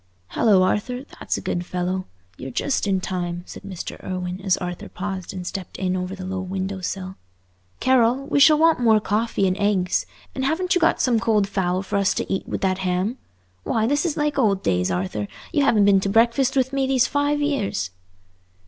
"Hallo, Arthur, that's a good fellow! You're just in time," said Mr. Irwine, as Arthur paused and stepped in over the low window sill. "Carroll, we shall want more coffee and eggs, and haven't you got some cold fowl for us to eat with that ham? Why, this is like old days, Arthur; you haven't been to breakfast with me these five years."